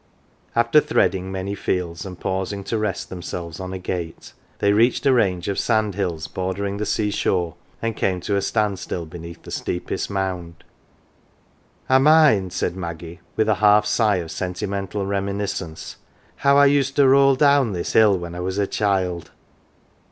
After threading many fields, and pausing to rest themselves on a gate, they reached a range of sand hills bordering the sea shore, and came to a stand still beneath the steepest mound. " I mind, 11 said Maggie, with a half sigh of sentimental reminiscence, " how I used to roll down this hill when I was a child."